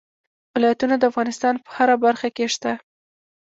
ولایتونه د افغانستان په هره برخه کې شته.